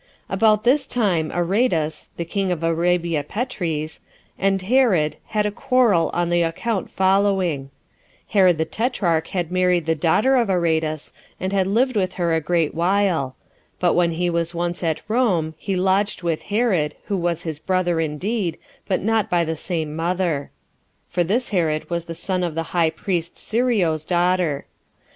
1. About this time Aretas [the king of Arabia Petres] and Herod had a quarrel on the account following: Herod the tetrarch had, married the daughter of Aretas, and had lived with her a great while; but when he was once at Rome, he lodged with Herod, 15 who was his brother indeed, but not by the same mother; for this Herod was the son of the high priest Sireoh's daughter.